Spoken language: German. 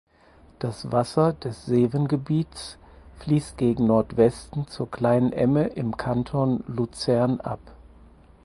Das Wasser des Sewengebiets fliesst gegen Nordwesten zur Kleinen Emme im Kanton Luzern ab.